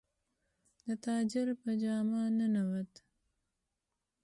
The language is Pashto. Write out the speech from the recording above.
د تاجر په جامه ننووت.